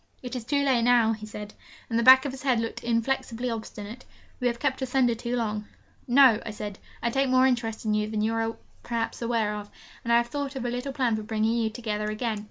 'It is too late now,' he said, and the back of his head looked inflexibly obstinate; 'we have kept asunder too long.' 'No,' I said, 'listen. I take more interest in you than you are, perhaps, aware of, and I have thought of a little plan for bringing you together again.